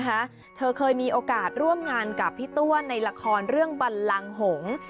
เธอเคยมีโอกาสร่วมงานกับพี่ตัวในละครเรื่องบันลังหงษ์